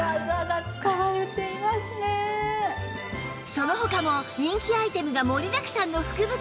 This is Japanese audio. その他も人気アイテムが盛りだくさんの福袋